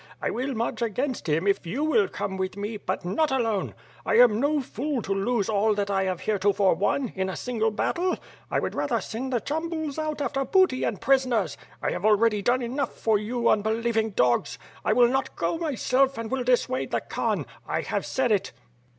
I will march against him, if you will come with me, but not alone. I am no fool to lose all that I have heretofore won, in a single 324 WITH FIRE AND SWORD. battle. I would rather send the Chambuls out after booty and prisoners, 1 have already done enougli for you unbeliev ing dogs. I will not go myself and will dissuade the Khan. I have said it."